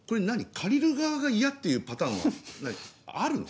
借りる側が嫌っていうパターンはあるの？